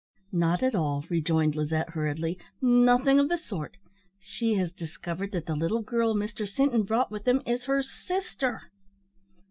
"Not at all," rejoined Lizette, hurriedly; "nothing of the sort; she has discovered that the little girl Mr Sinton brought with him is her sister."